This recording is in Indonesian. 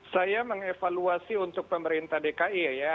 saya mengevaluasi untuk pemerintah dki ya